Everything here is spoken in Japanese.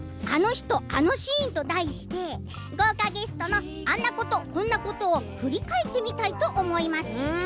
あの人あのシーン」と題して豪華ゲストのあんなことこんなことを振り返ってみたいと思います。